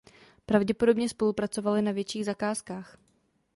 Pravděpodobně spolupracovali na větších zakázkách.